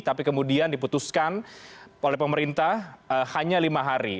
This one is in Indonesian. tapi kemudian diputuskan oleh pemerintah hanya lima hari